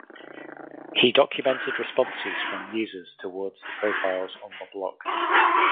He documented responses from users towards the profiles on the blog.